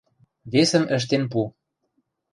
Весӹм ӹштен пу.